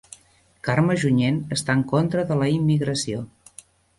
Carme Junyent està en contra de la immigració